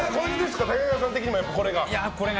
竹中さん的にもこれが？